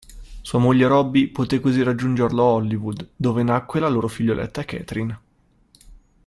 Sua moglie Robbie poté così raggiungerlo a Hollywood, dove nacque la loro figlioletta Katharine.